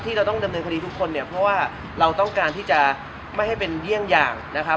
เราต้องดำเนินคดีทุกคนเนี่ยเพราะว่าเราต้องการที่จะไม่ให้เป็นเยี่ยงอย่างนะครับ